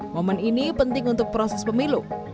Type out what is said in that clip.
momen ini penting untuk proses pemilu